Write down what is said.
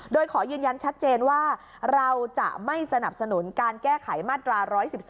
โดยขอยืนยันชัดเจนว่าเราจะไม่สนับสนุนการแก้ไขมาตรา๑๑๒